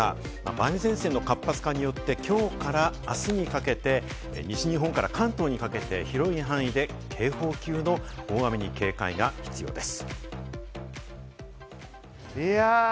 梅雨前線の活発化によって今日からあすにかけて、西日本から関東にかけて広い範囲で警報級の大雨に警戒が必要です。